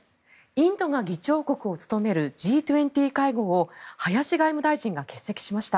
インドが議長国を務めるＧ２０会合を林外務大臣が欠席しました。